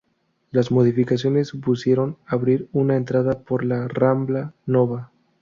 Las modificaciones supusieron abrir una entrada por la Rambla Nova.